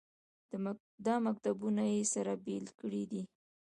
دا مکتبونه یې سره بېلې کړې دي.